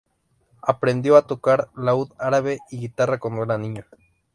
Aprendió a tocar laúd árabe y guitarra cuando era niño.